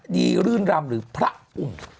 รื่นรำหรือพระอุ่ม